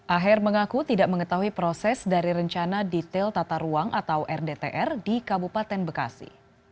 aher mengaku tidak mengetahui proses dari rencana detail tata ruang atau rdtr di kabupaten bekasi